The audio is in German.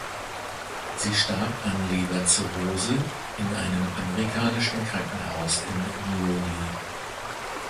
Sie starb an Leberzirrhose in einem amerikanischen Krankenhaus in Neuilly.